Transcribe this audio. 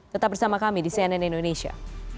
tetap bersama kami di cnn indonesia